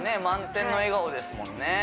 満点の笑顔ですもんね